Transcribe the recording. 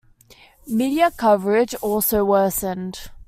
Media coverage also worsened.